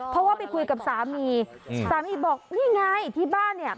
เพราะว่าไปคุยกับสามีสามีบอกนี่ไงที่บ้านเนี่ย